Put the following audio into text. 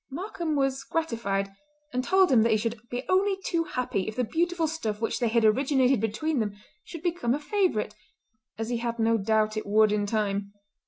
Markam was gratified, and told him that he should be only too happy if the beautiful stuff which they had originated between them should become a favourite, as he had no doubt it would in time.